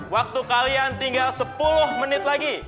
waktu kalian tinggal sepuluh menit lagi